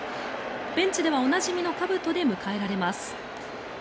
ベンチでは、おなじみのかぶとで迎えられます。